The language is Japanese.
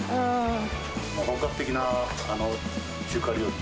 もう本格的な中華料理。